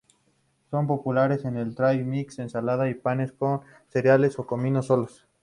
Son populares en el "trail mix", ensaladas y panes, con cereales o comidos solos.